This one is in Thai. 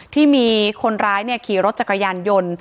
ที่มีคนร้ายขี่รถจักรยานยนต์